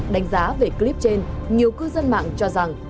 đánh giá về clip trên nhiều cư dân mạng cho rằng